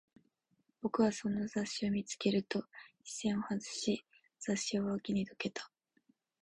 僕はそんな雑誌を見つけると、視線を外し、雑誌を脇にどけた